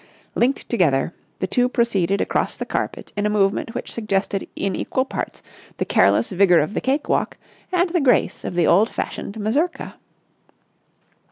Linked together, the two proceeded across the carpet in a movement which suggested in equal parts the careless vigour of the cake walk and the grace of the old fashioned mazurka.